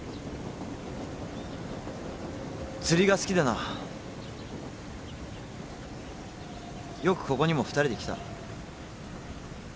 釣りが好きでなよくここにも２人で来た。